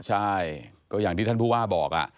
ใช่ก็อย่างที่ท่านผู้ว่าบอก